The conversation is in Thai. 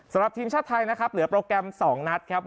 สำหรับทีมชาติไทยนะครับเหลือโปรแกรม๒นัดครับ